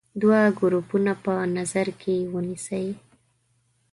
دوه ګروپونه په نظر کې ونیسئ.